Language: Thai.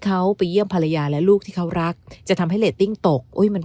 เขาไปเยี่ยมภรรยาและลูกที่เขารักจะทำให้เรตติ้งตกอุ้ยมัน